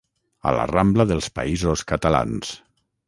a la Rambla dels Països Catalans